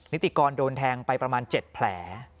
นิติกรโดนแทงไปประมาณ๗แผล